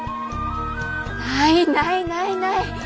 ないないないない。